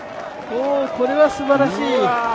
これはすばらしい。